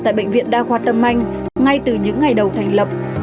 tại bệnh viện đa khoa tâm anh ngay từ những ngày đầu thành lập